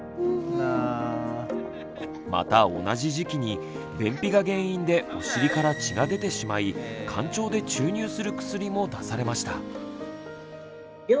また同じ時期に便秘が原因でお尻から血が出てしまいかん腸で注入する薬も出されました。